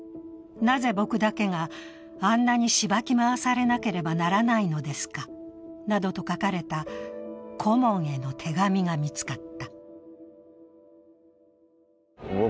なぜ僕だけがあんなにシバき回されなければならないのですか？などと書かれた顧問への手紙が見つかった。